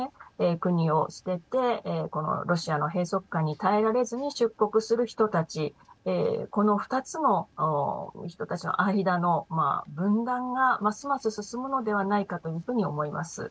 国を捨てて、このロシアの閉塞感に耐えられずに出国する人たちこの２つの人たちの間の分断がますます進むのではないかというふうに思います。